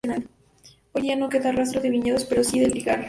Hoy día no queda rastro de viñedos, pero sí del lagar.